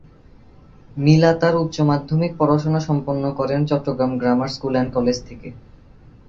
মিলা তাঁর উচ্চ মাধ্যমিক পড়াশোনা সম্পন্ন করেন Chittagong grammar school and college থেকে।